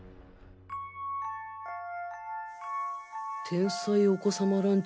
天才お子さまランチ